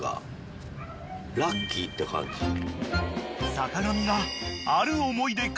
［坂上が］